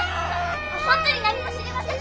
本当に何も知りません！